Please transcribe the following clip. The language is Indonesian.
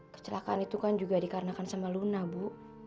kecelakaan itu kan juga dikarenakan sama luna bu